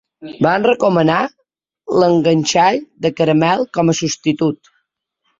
Van recomanar l'enganxall de caramell com a substitut.